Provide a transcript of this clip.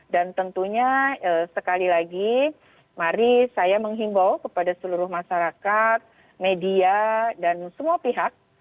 dan tentunya sekali lagi mari saya menghimbau kepada seluruh masyarakat media dan semua pihak